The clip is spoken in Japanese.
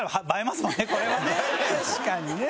確かにね。